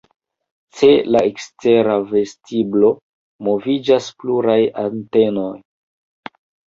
Ce la ekstera vestiblo moviĝas pluraj antenoj.